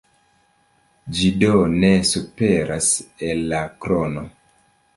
Ĝi do ne superas el la krono.